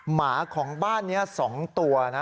หมาของบ้านนี้๒ตัวนะ